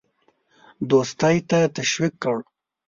دوستی ته تشویق کړ.